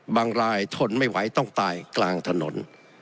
รายทนไม่ไหวต้องตายกลางถนน